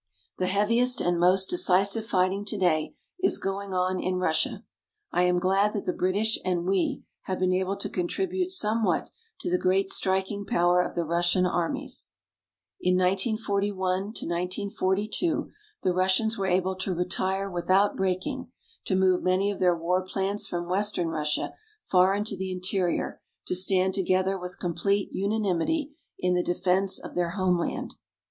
The heaviest and most decisive fighting today is going on in Russia. I am glad that the British and we have been able to contribute somewhat to the great striking power of the Russian armies. In 1941 1942 the Russians were able to retire without breaking, to move many of their war plants from western Russia far into the interior, to stand together with complete unanimity in the defense of their homeland.